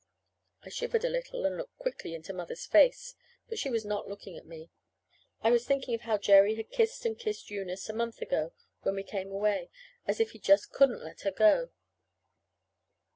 I shivered a little, and looked quickly into Mother's face. But she was not looking at me. I was thinking of how Jerry had kissed and kissed Eunice a month ago, when we came away, as if he just couldn't let her go.